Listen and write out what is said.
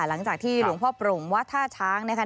หลังจากที่หลวงพ่อโปร่งวัดท่าช้างนะคะ